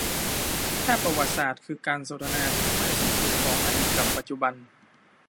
ถ้าประวัติศาสตร์คือการสนทนาที่ไม่สิ้นสุดของอดีตกับปัจจุบัน